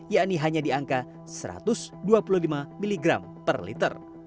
yakni hanya di angka satu ratus dua puluh lima mg per liter